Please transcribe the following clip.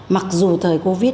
mặc dù thời covid